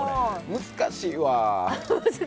難しいわ。